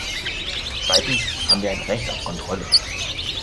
Zweitens haben wir ein Recht auf Kontrolle.